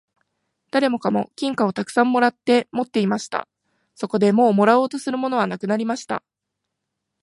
誰もかも金貨をたくさん貰って持っていました。そこでもう貰おうとするものはなくなりました。